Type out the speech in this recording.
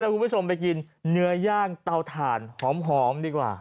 คุณผู้ชมไปกินเนื้อย่างเตาถ่านหอมดีกว่า